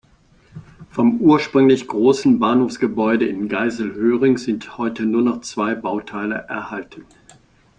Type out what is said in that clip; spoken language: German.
Vom ursprünglich großen Bahnhofsgebäude in Geiselhöring sind heute nur noch zwei Bauteile erhalten.